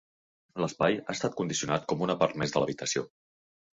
L'espai ha estat condicionat com una part més de l'habitació.